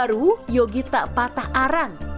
baru yogi tak patah arang